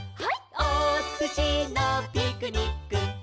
「おすしのピクニック」